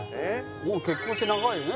もう結婚して長いよね